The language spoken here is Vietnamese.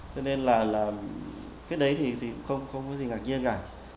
cho nên là cái đấy thì cũng không có gì ngạc nhiên cả